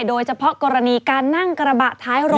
โดยเฉพาะกรณีการนั่งกระบะท้ายรถ